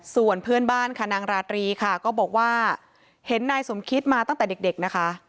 ส่วนเพื่อนบ้านค่ะนางราตรีค่ะก็บอกว่าเห็นนายสมคิดมาตั้งแต่เด็กนะคะ